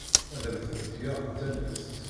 Ad am-tent-geɣ d tallest.